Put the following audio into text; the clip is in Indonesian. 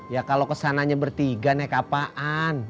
ya kalau kesananya bertiga nek apaan